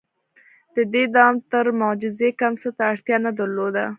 • د دې دوام تر معجزې کم څه ته اړتیا نه درلوده.